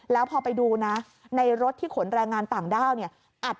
แล้วพอไปดูในรถที่ขนแรงงานต่างด้าว